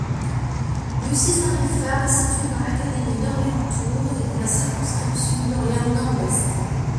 Bucy-Saint-Liphard est situé dans l'académie d'Orléans-Tours et dans la circonscription d'Orléans nord-ouest.